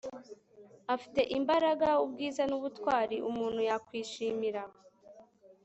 afite imbaraga, ubwiza, n'ubutwari umuntu yakwishimira